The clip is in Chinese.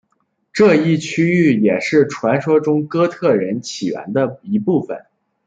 这一区域也是传说中哥特人起源的一部分。